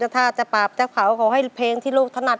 ถ้าจะปราบจะเผาขอให้เพลงที่ลูกถนัด